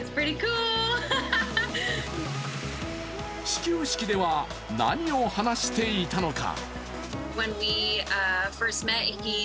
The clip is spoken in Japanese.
始球式では何を話していたのか。